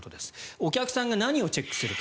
お客さんが何をチェックするか。